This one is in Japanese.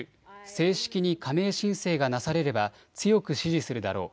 正式に加盟申請がなされれば強く支持するだろう。